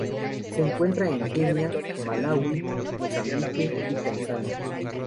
Se encuentra en Kenia, Malaui, Mozambique y Tanzania.